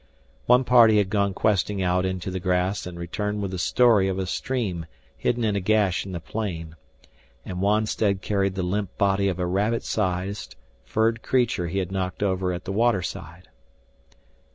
One party had gone questing out into the grass and returned with the story of a stream hidden in a gash in the plain, and Wonstead carried the limp body of a rabbit sized furred creature he had knocked over at the waterside.